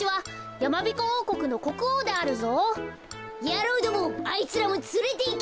やろうどもあいつらもつれていけ！